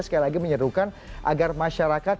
sekali lagi menyerukan agar masyarakat